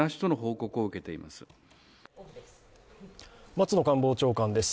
松野官房長官です。